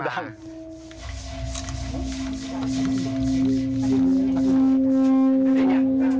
เนี่ยเนี่ยดัง